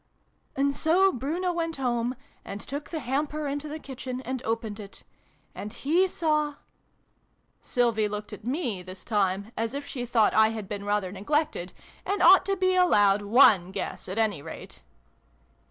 " And so Bruno went home : and took the hamper into the kitchen, and opened it. And he saw " Sylvie looked at me, this time, as if she thought I had been rather neglected and ought to be allowed one guess, at any rate.